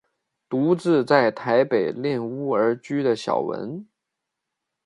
独自在台北赁屋而居的小文。